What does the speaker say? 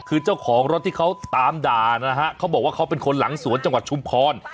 คือเจ้าของรถที่เขาตามด่านะฮะเขาบอกว่าเขาเป็นคนหลังสวนจังหวัดชุมพร